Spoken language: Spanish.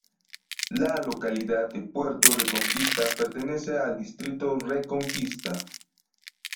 La localidad de Puerto Reconquista pertenece al Distrito Reconquista.